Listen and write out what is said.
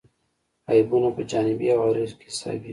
عیبونه په جانبي عوارضو کې حسابېږي.